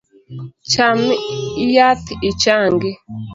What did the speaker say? Cham yath ichangi.